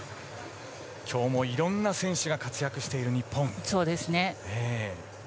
今日もいろんな選手が活躍している日本。